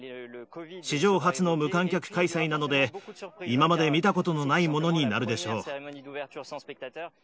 史上初の無観客開催なので、今まで見たことのないものになるでしょう。